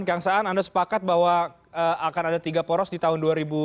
kang saan anda sepakat bahwa akan ada tiga poros di tahun dua ribu dua puluh